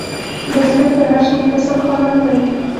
بزګر د هر شین فصل خالق دی